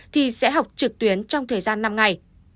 thì sẽ học trực tuyến trong thời gian năm ngày